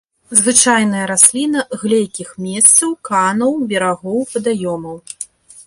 Звычайная расліна глейкіх месцаў, канаў, берагоў вадаёмаў.